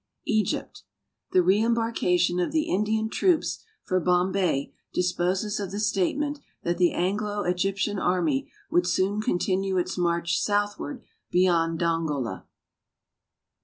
Egypt. The reembarkation of the Indian troops for Bombay disposes of the statement that the Anglo Egyptian army would soon continue its marcli southward beyond Dongola.